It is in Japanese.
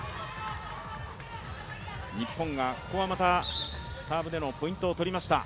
日本がここはまたサーブでのポイントを取りました。